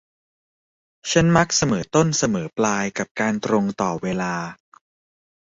ฉันมักเสมอต้นเสมอปลายกับการตรงต่อเวลา